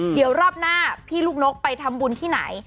เดี๋ยวรอบหน้าพี่ลูกนกไปทำบุญที่ไหน